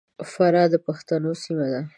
فراه د پښتنو سیمه ده.